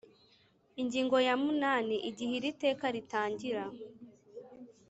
Ingingo ya munani Igihe iri Teka ritangira